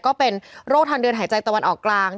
ก็เป็นโรคทางเดินหายใจตะวันออกกลาง